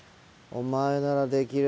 お前ならできる。